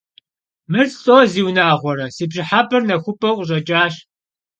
Mır slh'o, ziunağuere, si pş'ıhep'er naxuap'eu khış'eç'aş.